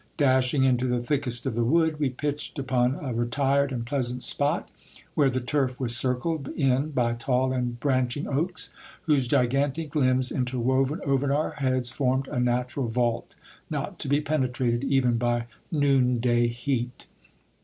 Dashing into the thickest of the wood, we pitched upon a retired and pleasant spot, where the turf was circled in by tall and branch ing oaks, whose gigantic limbs, interwoven over our heads, formed a natural vault, not to be penetrated even by noon day heat.